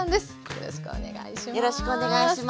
よろしくお願いします。